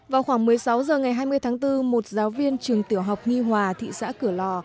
vào khoảng một mươi sáu h ngày hai mươi tháng bốn một giáo viên trường tiểu học nghi hòa thị xã cửa lò